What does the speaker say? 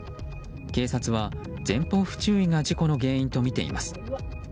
警察は前方不注意が事故の原因とみています。